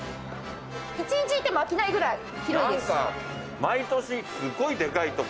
一日いても飽きないぐらい広いです。